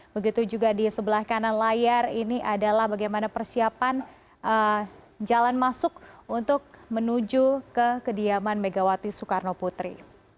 begitu juga di sebelah kanan layar ini adalah bagaimana persiapan jalan masuk untuk menuju ke kediaman megawati soekarno putri